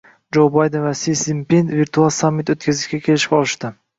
Jo Bayden va Si Szinpin virtual sammit o‘tkazishga kelishib olishdi